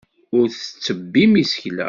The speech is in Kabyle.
Ur tettebbim isekla.